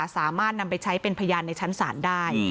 สามารถนำไปใช้เป็นพยานในชั้นศาลได้